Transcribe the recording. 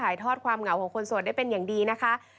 ในวันไหนคือฉันนั้นยังส่วน